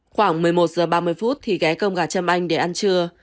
khoảng một mươi một giờ ba mươi phút thì ghé cơm gà châm anh để ăn trưa